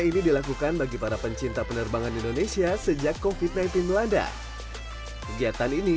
ini dilakukan bagi para pencinta penerbangan indonesia sejak covid sembilan belas melanda kegiatan ini